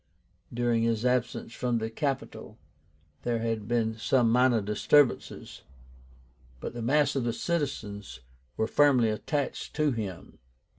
During his absence from the capital there had been some minor disturbances; but the mass of the citizens were firmly attached to him.